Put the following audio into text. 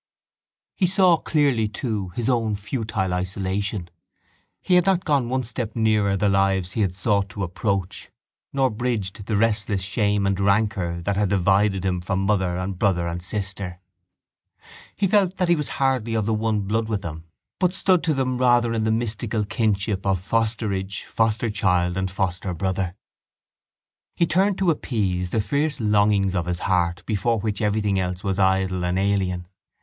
He saw clearly, too, his own futile isolation. He had not gone one step nearer the lives he had sought to approach nor bridged the restless shame and rancour that had divided him from mother and brother and sister. He felt that he was hardly of the one blood with them but stood to them rather in the mystical kinship of fosterage, fosterchild and fosterbrother. He turned to appease the fierce longings of his heart before which everything else was idle and alien.